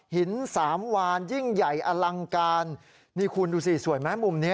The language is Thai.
หินสามวานยิ่งใหญ่อลังการนี่คุณดูสิสวยไหมมุมนี้